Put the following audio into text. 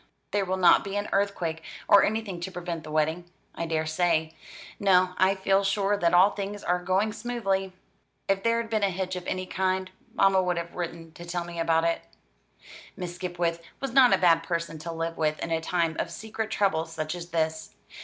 there will not be an earthquake, or anything to prevent the wedding, I daresay. No, I feel sure that all things are going smoothly. If there had been a hitch of any kind, mamma would have written to tell me about it." Miss Skipwith was not a bad person to live with in a time of secret trouble such as this.